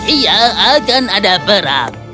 iya akan ada perang